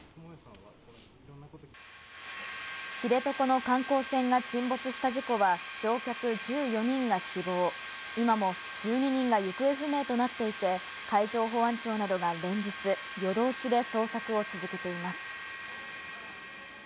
知床の観光船が沈没した事故は、乗客１４人が死亡、今も１２人が行方不明となっていて、海上保安庁などが連日、夜通しで捜索を続けています。